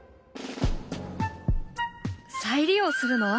再利用するの？